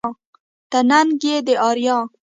ته ننگ يې د اريا